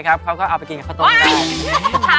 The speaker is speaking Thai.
พวกเรายิ่งว่ามีครอบครัวหรือป่าว